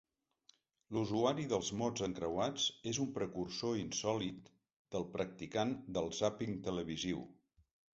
L'usuari dels mots encreuats és un precursor insòlit del practicant del zàping televisiu.